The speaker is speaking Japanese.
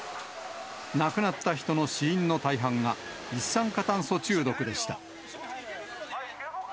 亡くなった人の死因の大半が、一酸化炭素中毒でした。